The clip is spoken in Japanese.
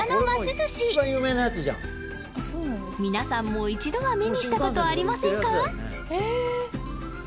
寿司皆さんも一度は目にしたことありませんか？